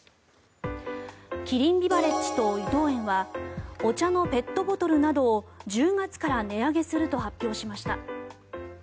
キリンビバレッジと伊藤園はお茶のペットボトルなどを１０月から値上げすると発表しました。